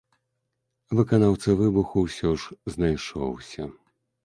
Выканаўца выбуху ўсё ж знайшоўся.